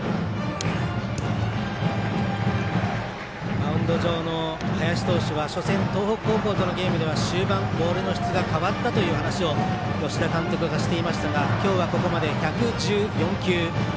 マウンド上の林投手は初戦、東北高校とのゲームでは終盤、ボールの質が変わったという話を吉田監督がしていましたが今日は、ここまで１１４球。